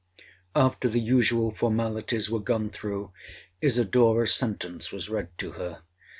'After the usual formalities were gone through, Isidora's sentence was read to her.